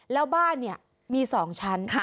แล้วบ้านเนี่ยมีสองชั้น